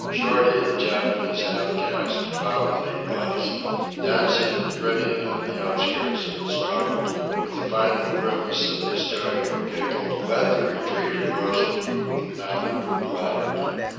Shorty, the Japanese half caste, clown that he was, dancing and grinning on the outskirts of the struggle, with a final grimace and hysterical giggle led the retreat across the poop and down the poop ladder.